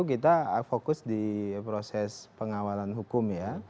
kita fokus di proses pengawalan hukum ya